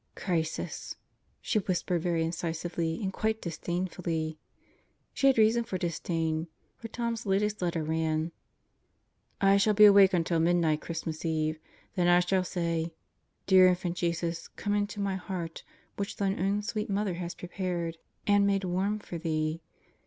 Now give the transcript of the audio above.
"Crisis!" she whispered very incisively and quite disdainfully. She had reason for the disdain; for Tom's latest letter ran: I shall be awake until midnight Christmas Eve, then I shall say "Dear Infant Jesus, come into my heart, which Thine own sweet Mother has prepared and made warm for Thee.